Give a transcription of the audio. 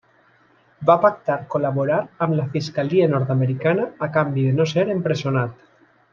Va pactar col·laborar amb la fiscalia nord-americana a canvi de no ser empresonat.